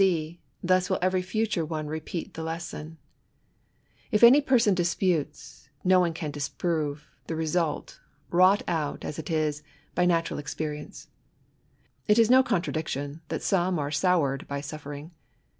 9 see, thus will every future one repeat the lessoni If any person disputes, no one can disprove, the result, wrought out, as it is, by natural experience; It is no contradiction, that some are soured by suffering.